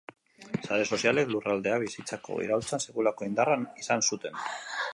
Sare sozialek lurraldeak bizitako iraultzan sekulako indarra izan zuten.